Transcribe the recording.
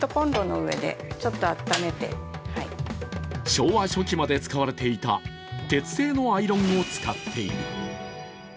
昭和初期まで使われていた鉄製のアイロンを使っている。